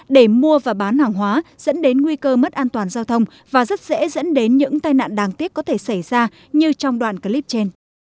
để mua và bán hàng hóa dẫn đến nguy cơ mất an toàn giao thông và rất dễ dẫn đến những tai nạn đáng tiếc có thể xảy ra như trong đoạn clip trên